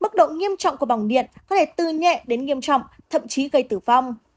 mức độ nghiêm trọng của bằng điện có thể từ nhẹ đến nghiêm trọng thậm chí gây tử vong